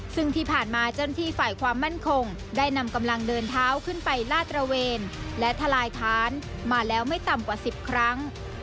ซึ่งที่ผ่านมาเจ้าหน้าที่ฝ่ายความมั่นคงได้นำกำลังเดินเท้าขึ้นไปลาดตระเวนและทลายฐานมาแล้วไม่ต่ำกว่า๑๐ครั้ง